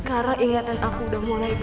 keren sama kamu nek